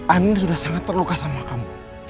anin sudah sangat terluka sama kamu